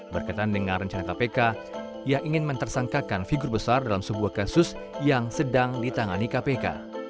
berkaitan dengan rencana kpk ia ingin mentersangkakan figur besar dalam sebuah kasus yang sedang ditangani kpk